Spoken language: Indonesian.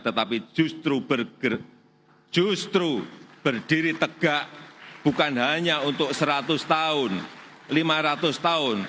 tetapi justru berdiri tegak bukan hanya untuk seratus tahun lima ratus tahun